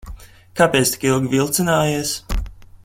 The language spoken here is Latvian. Kāpēc tik ilgi vilcinājies?